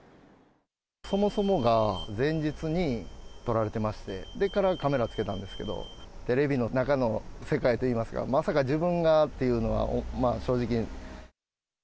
そもそもが前日にとられてまして、カメラをつけたんですけど、テレビの中の世界といいますか、まさか自分がっていうのは、正直。